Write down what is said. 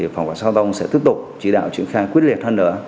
phòng quản xã hà tông sẽ tiếp tục chỉ đạo chuyển khai quyết liệt hơn nữa